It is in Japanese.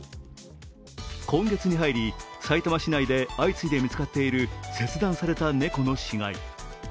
今月に入り、さいたま市内で相次いで見つかっている切断された猫の死骸。